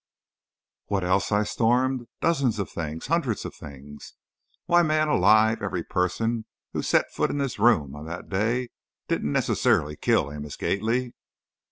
"What else?" I stormed. "Dozens of things! Hundreds of things! Why, man alive, every person who set foot in this room on that day didn't necessarily kill Amos Gately!"